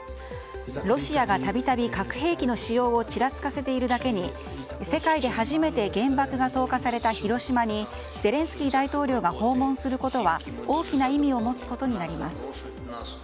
ロシアが度々、核兵器の使用をちらつかせているだけに世界で初めて原爆が投下された広島にゼレンスキー大統領が訪問することは大きな意味を持つことになります。